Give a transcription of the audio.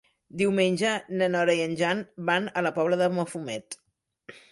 Diumenge na Nora i en Jan van a la Pobla de Mafumet.